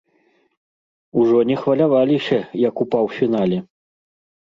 Ужо не хваляваліся, як у паўфінале.